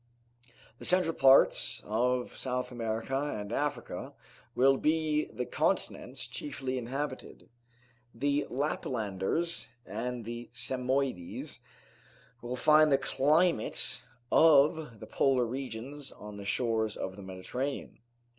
The central parts of South America and Africa will be the continents chiefly inhabited. The Laplanders and the Samoides will find the climate of the polar regions on the shores of the Mediterranean.